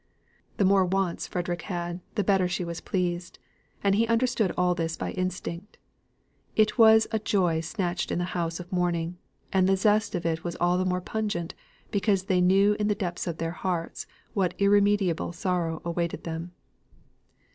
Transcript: The more wants Frederick had, the better she was pleased; and he understood all this by instinct. It was a joy snatched in the house of mourning, and the zest of it was all the more pungent, because they knew in the depth of their hearts what irremediable sorrow awaited them.